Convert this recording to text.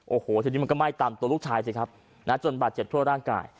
โอ้โหทีนี้มันก็ไหม้ตามตัวลูกชายสิครับนะจนบาดเจ็บทั่วร่างกาย